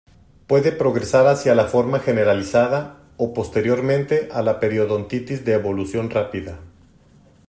Puede progresar hacia la forma generalizada o, posteriormente, a la periodontitis de evolución rápida.